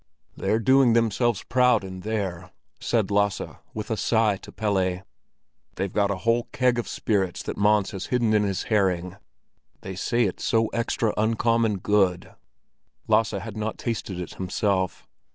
"They're doing themselves proud in there," said Lasse, with a sigh to Pelle. "They've got a whole keg of spirits that Mons had hidden in his herring. They say it's so extra uncommon good." Lasse had not tasted it himself.